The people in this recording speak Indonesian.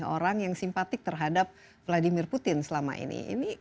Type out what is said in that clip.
orang yang simpatik terhadap vladimir putin selama ini